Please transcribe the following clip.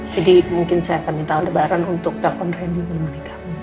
jadi mungkin saya akan minta aldebaran untuk telepon randy ke nemenin kamu